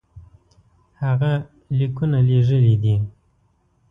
هغه لیکونه لېږلي دي.